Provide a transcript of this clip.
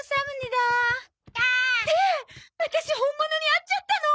ダー！ってワタシ本物に会っちゃったの！？